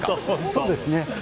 そうですね。